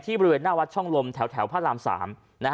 บริเวณหน้าวัดช่องลมแถวพระราม๓